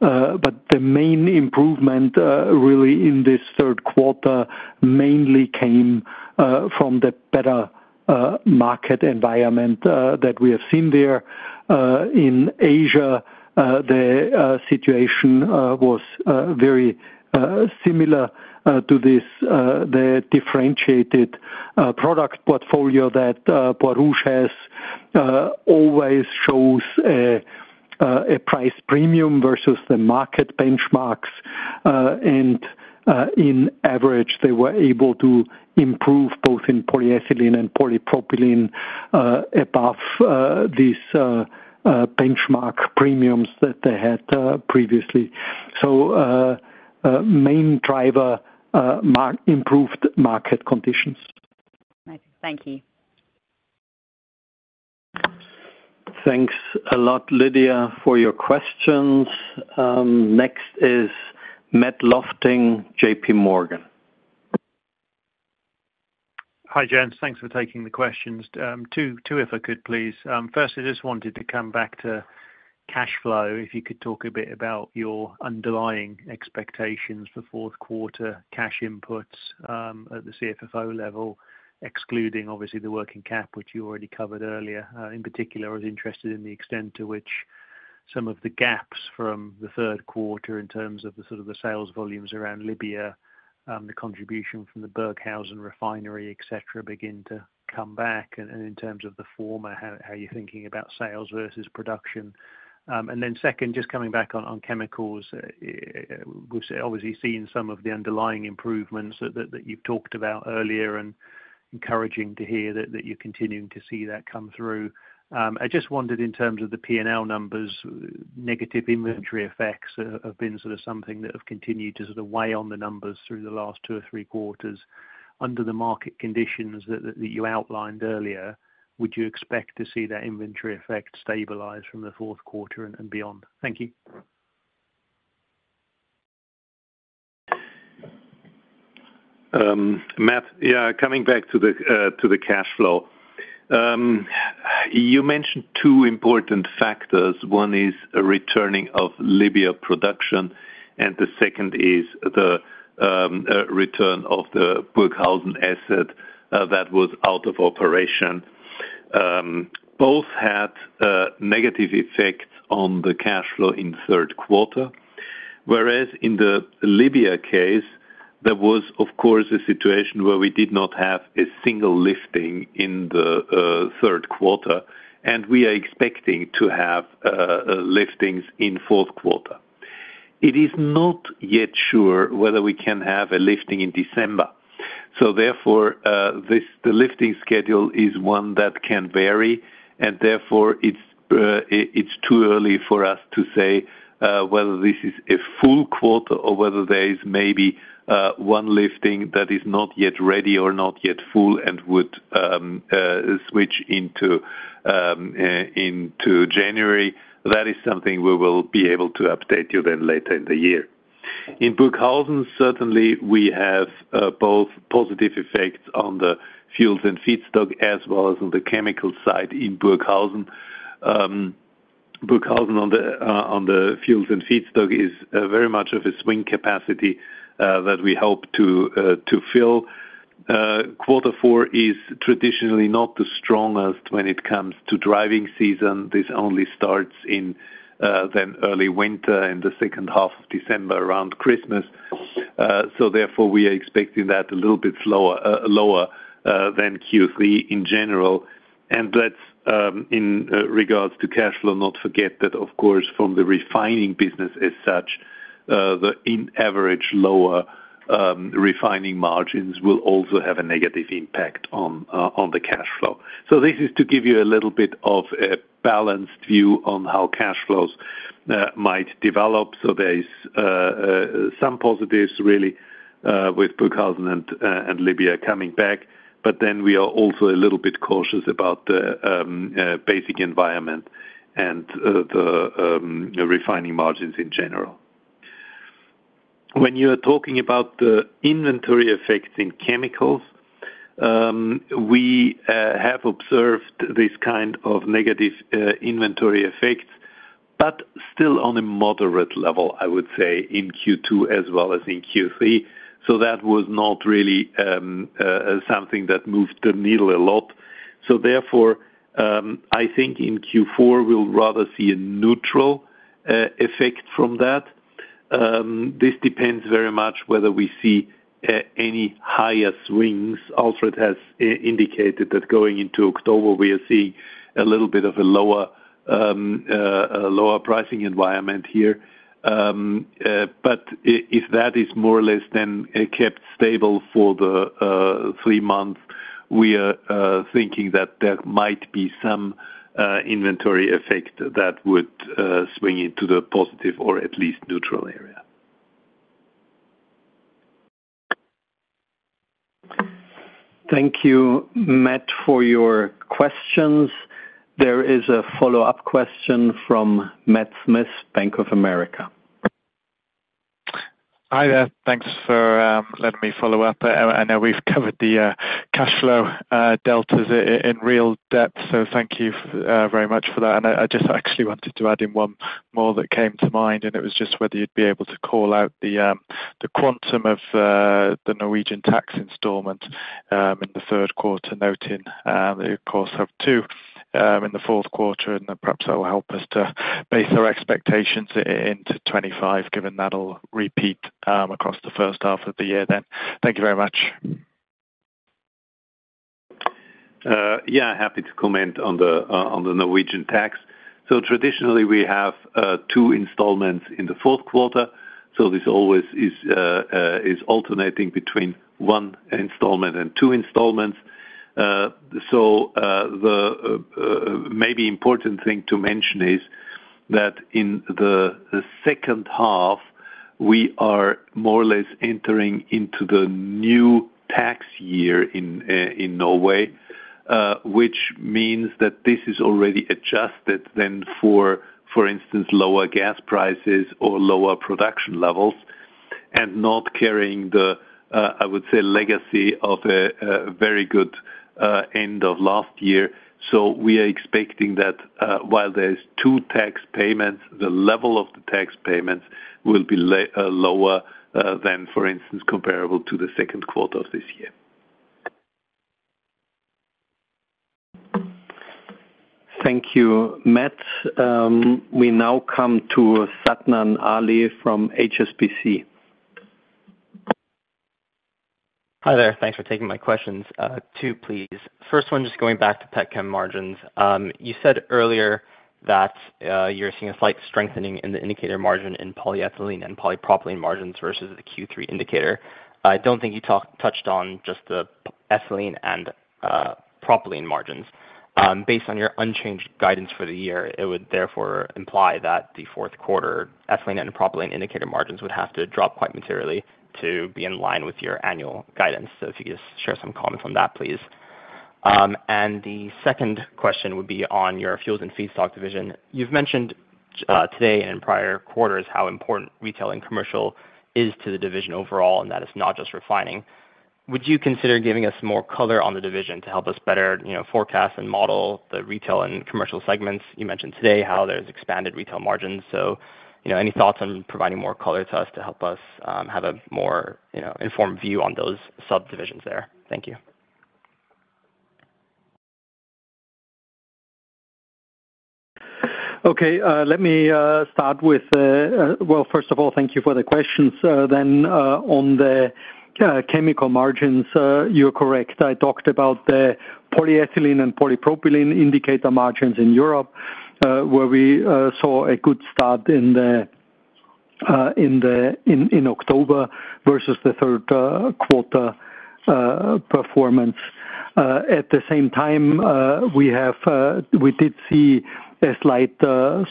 but the main improvement really in this third quarter mainly came from the better market environment that we have seen there. In Asia, the situation was very similar to this, the differentiated product portfolio that Borouge has always shows a price premium versus the market benchmarks. And, on average, they were able to improve both in polyethylene and polypropylene above these benchmark premiums that they had previously. Main driver, improved market conditions. Thank you. Thanks a lot, Lydia, for your questions. Next is Matt Lofting, JPMorgan. Hi, Gents. Thanks for taking the questions. Two if I could please. First, I just wanted to come back to cash flow. If you could talk a bit about your underlying expectations for fourth quarter cash inputs at the CFFO level, excluding obviously the working cap, which you already covered earlier. In particular, I was interested in the extent to which some of the gaps from the third quarter in terms of the sort of the sales volumes around Libya, the contribution from the Burghausen refinery, et cetera, begin to come back, and in terms of the former, how you're thinking about sales versus production? And then, second, just coming back on chemicals, we've obviously seen some of the underlying improvements that you've talked about earlier, and encouraging to hear that you're continuing to see that come through. I just wondered in terms of the P&L numbers, negative inventory effects have been sort of something that have continued to sort of weigh on the numbers through the last two or three quarters. Under the market conditions that you outlined earlier, would you expect to see that inventory effect stabilize from the fourth quarter and beyond? Thank you. Matt, yeah, coming back to the cash flow. You mentioned two important factors. One is a returning of Libya production, and the second is the return of the Burghausen asset that was out of operation. Both had a negative effect on the cash flow in the third quarter, whereas in the Libya case, there was of course a situation where we did not have a single lifting in the third quarter, and we are expecting to have liftings in fourth quarter. It is not yet sure whether we can have a lifting in December, so therefore, the lifting schedule is one that can vary, and therefore it's too early for us to say whether this is a full quarter or whether there is maybe one lifting that is not yet ready or not yet full and would switch into January. That is something we will be able to update you then later in the year. In Burghausen, certainly we have both positive effects on the fuels and feedstock, as well as on the chemical side in Burghausen. Burghausen on the fuels and feedstock is very much of a swing capacity that we hope to fill. Quarter four is traditionally not the strongest when it comes to driving season. This only starts in then early winter in the second half of December, around Christmas. Therefore, we are expecting that a little bit slower, lower, than Q3 in general. That's in regards to cash flow. Not to forget that, of course, from the refining business as such, the on average lower refining margins will also have a negative impact on the cash flow. This is to give you a little bit of a balanced view on how cash flows might develop. There is some positives really with Burghausen and Libya coming back, but then we are also a little bit cautious about the basic environment and the refining margins in general. When you are talking about the inventory effects in chemicals, we have observed this kind of negative inventory effects, but still on a moderate level, I would say, in Q2 as well as in Q3, so that was not really something that moved the needle a lot, so therefore I think in Q4 we'll rather see a neutral effect from that. This depends very much whether we see any higher swings. Alfred has indicated that going into October we are seeing a little bit of a lower pricing environment here, but if that is more or less then kept stable for the three months, we are thinking that there might be some inventory effect that would swing into the positive or at least neutral area. Thank you, Matt, for your questions. There is a follow-up question from Matt Smith, Bank of America. Hi there. Thanks for letting me follow up. I know we've covered the cash flow deltas in real depth, so thank you very much for that. I just actually wanted to add in one more that came to mind, and it was just whether you'd be able to call out the quantum of the Norwegian tax installment in the third quarter, noting that you of course have two in the fourth quarter, and then perhaps that will help us to base our expectations into twenty-five, given that'll repeat across the first half of the year then. Thank you very much. Yeah, happy to comment on the, on the Norwegian tax. So traditionally, we have two installments in the fourth quarter, so this always is alternating between one installment and two installments. So the maybe important thing to mention is that in the second half, we are more or less entering into the new tax year in Norway, which means that this is already adjusted then for instance, lower gas prices or lower production levels, and not carrying the I would say, legacy of a very good end of last year. So we are expecting that while there is two tax payments, the level of the tax payments will be lower than for instance, comparable to the second quarter of this year. Thank you, Matt. We now come to Satnam Ali from HSBC. Hi there. Thanks for taking my questions. Two, please. First one, just going back to petchem margins. You said earlier that you're seeing a slight strengthening in the indicator margin in polyethylene and polypropylene margins versus the Q3 indicator. I don't think you touched on just the ethylene and propylene margins. Based on your unchanged guidance for the year, it would therefore imply that the fourth quarter ethylene and propylene indicator margins would have to drop quite materially to be in line with your annual guidance. So if you could just share some comments on that, please, and the second question would be on your fuels and feedstock division. You've mentioned today and prior quarters how important retail and commercial is to the division overall, and that it's not just refining. Would you consider giving us more color on the division to help us better, you know, forecast and model the retail and commercial segments? You mentioned today how there's expanded retail margins, so, you know, any thoughts on providing more color to us to help us have a more, you know, informed view on those subdivisions there? Thank you. Okay. Let me start with. Well, first of all, thank you for the questions. Then, on the chemical margins, you're correct. I talked about the polyethylene and polypropylene indicator margins in Europe, where we saw a good start in October versus the third quarter performance. At the same time, we did see a slight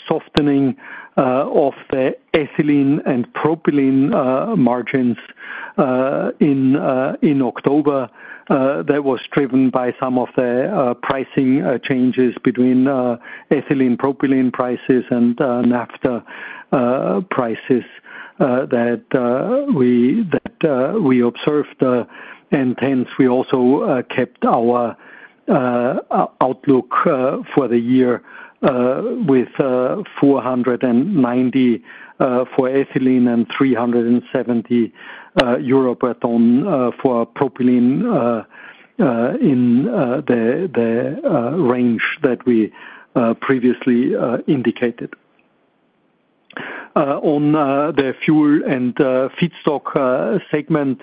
softening of the ethylene and propylene margins in October, that was driven by some of the pricing changes between ethylene, propylene prices and naphtha prices, that we observed. And hence we also kept our outlook for the year with 490 for ethylene and 370 euro per ton for propylene in the range that we previously indicated. On the fuel and feedstock segment.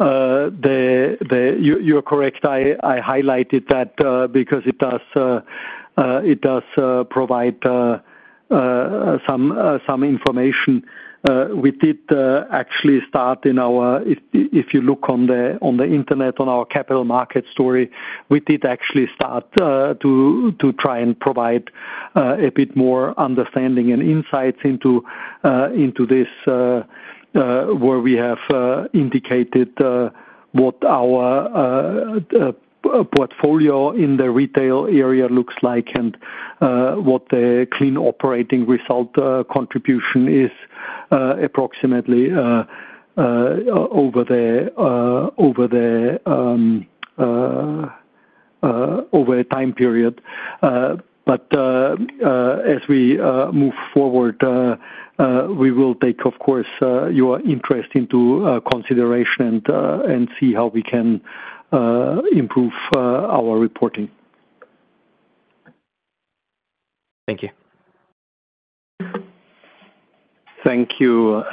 You're correct, I highlighted that because it does provide some information. We did actually start in our, if you look on the internet, on our capital market story, we did actually start to try and provide a bit more understanding and insights into this, where we have indicated what our portfolio in the retail area looks like and what the clean operating result contribution is approximately over a time period. But as we move forward, we will take, of course, your interest into consideration and see how we can improve our reporting. Thank you. Thank you,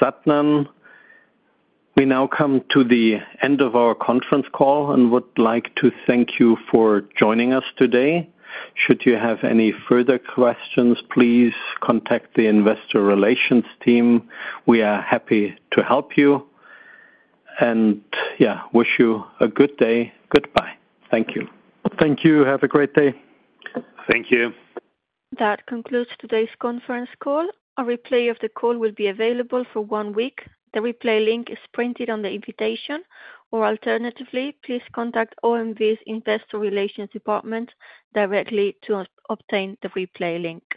Satnam. We now come to the end of our conference call and would like to thank you for joining us today. Should you have any further questions, please contact the investor relations team. We are happy to help you, and yeah, wish you a good day. Goodbye. Thank you. Thank you. Have a great day. Thank you. That concludes today's conference call. A replay of the call will be available for one week. The replay link is printed on the invitation, or alternatively, please contact OMV's investor relations department directly to obtain the replay link.